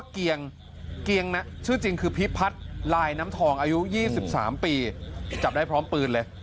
เกียงชื่อจริงคือพิพัฒน์ลายน้ำทองอายุ๒๓ปีจับได้พร้อมปืนเลย